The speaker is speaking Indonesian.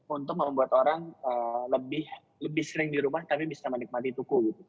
untuk membuat orang lebih sering di rumah tapi bisa menikmati tuku gitu